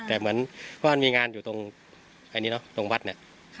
อ่าเพราะมันก็มีงานอยู่ตรงเหรอตรงวัดเนี้ยค่ะ